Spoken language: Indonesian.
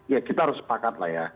ya kita harus sepakat lah ya